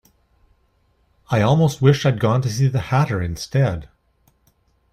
I almost wish I’d gone to see the Hatter instead!